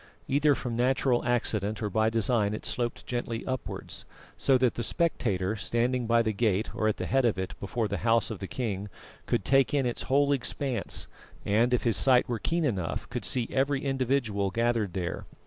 Either from natural accident or by design it sloped gently upwards, so that the spectator, standing by the gate or at the head of it before the house of the king, could take in its whole expanse, and, if his sight were keen enough, could see every individual gathered there.